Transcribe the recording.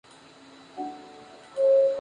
Se realizó un prototipo del grave en bronce.